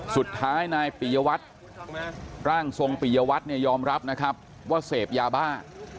สุดท้ายนายปียวัตรร่างทรงปียวัตรยอมรับว่าเสพยาบ้า